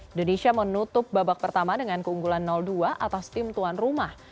indonesia menutup babak pertama dengan keunggulan dua atas tim tuan rumah